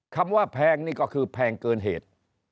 คำว่าแพงนี่ก็คือแพงเกินเหตุ